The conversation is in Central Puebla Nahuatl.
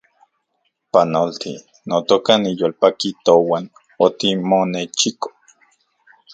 Panolti, notoka , niyolpaki touan otimonechiko